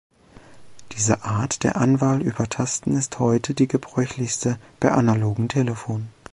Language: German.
Diese Art der Anwahl über Tasten ist heute die gebräuchlichste bei analogen Telefonen.